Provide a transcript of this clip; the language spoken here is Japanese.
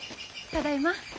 ただいま。